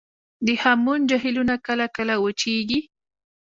د هامون جهیلونه کله کله وچیږي